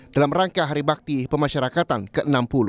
dalam rangka hari bakti pemasyarakatan ke enam puluh